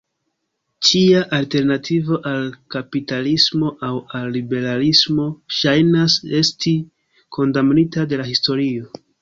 Ĉia alternativo al kapitalismo aŭ al liberalismo ŝajnas esti kondamnita de la historio.